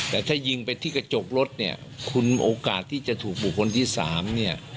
แต่ถ้ายิงไปที่กระจกรถเนี่ยคุณโอกาสที่จะถูกบุคคลที่สามเนี่ย